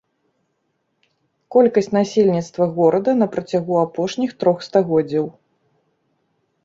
Колькасць насельніцтва горада на працягу апошніх трох стагоддзяў.